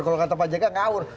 kalau kata pak jaka ngawur